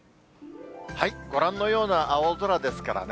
ご覧のような青空ですからね。